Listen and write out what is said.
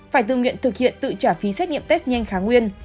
phải tự nguyện thực hiện tự trả phí xét nghiệm test nhanh kháng nguyên